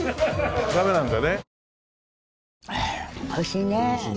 ダメなんだね。